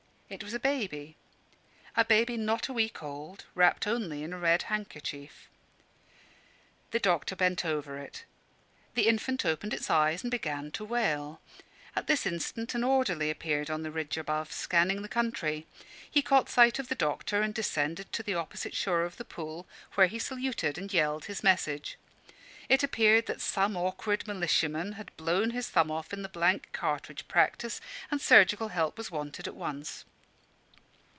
It was a baby: a baby not a week old, wrapped only in a red handkerchief. The doctor bent over it. The infant opened its eyes and began to wail. At this instant an orderly appeared on the ridge above, scanning the country. He caught sight of the doctor and descended to the opposite shore of the pool, where he saluted and yelled his message. It appeared that some awkward militiaman had blown his thumb off in the blank cartridge practice and surgical help was wanted at once.